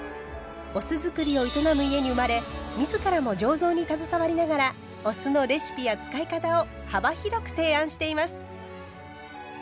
お酢造りを営む家に生まれ自らも醸造に携わりながらお酢のレシピや使い方を幅広く提案しています。